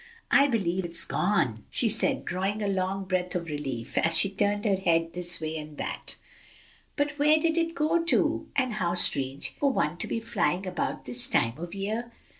"I believe it's gone," she said, drawing a long breath of relief, as she turned her head this way and that, "but where did it go to? and how strange for one to be flying about this time of year!"